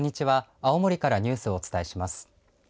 青森からニュースをお伝えします。